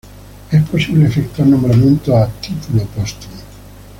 Es posible efectuar nombramientos a ""título póstumo"".